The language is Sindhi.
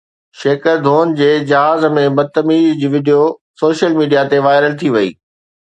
شيڪر ڌون جي جهاز ۾ بدتميزي جي وڊيو سوشل ميڊيا تي وائرل ٿي وئي